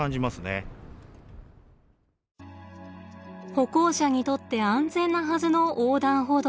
歩行者にとって安全なはずの横断歩道。